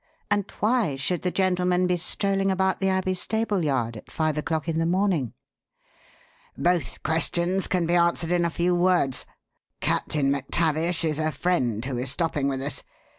And why should the gentleman be strolling about the Abbey stable yard at five o'clock in the morning?" "Both questions can be answered in a few words. Captain MacTavish is a friend who is stopping with us.